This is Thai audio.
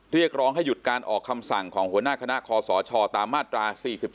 เรียกร้องให้หยุดการออกคำสั่งของหัวหน้าคณะคอสชตามมาตรา๔๔